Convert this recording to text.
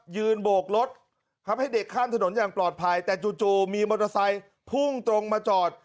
โบกรถครับให้เด็กข้ามถนนอย่างปลอดภัยแต่จู่มีมอเตอร์ไซค์พุ่งตรงมาจอด